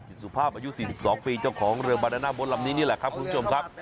สุภาพอายุ๔๒ปีเจ้าของเรือบาดาน่าบนลำนี้นี่แหละครับคุณผู้ชมครับ